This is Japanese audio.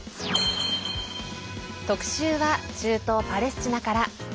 特集は中東パレスチナから。